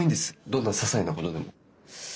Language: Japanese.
どんな些細なことでも。